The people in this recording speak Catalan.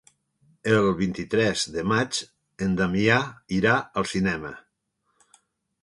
El vint-i-tres de maig en Damià irà al cinema.